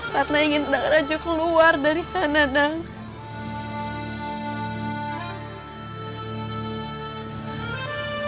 karena ingin aku keluar dari sana datuk